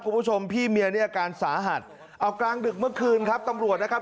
คุณผู้ชมพี่เมียเนี่ยอาการสาหัสเอากลางดึกเมื่อคืนครับตำรวจนะครับ